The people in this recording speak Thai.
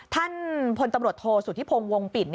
ท่านพนตรรวจโทศุภิพงศ์วงปิด